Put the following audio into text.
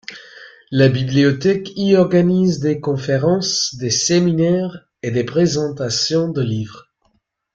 La bibliothèque y organise des conférences, des séminaires et des présentations de livres.